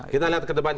kita lihat ke depan